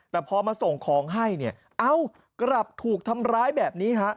แต่พอมาส่งของให้เนี่ยเอ้ากลับถูกทำร้ายแบบนี้ฮะ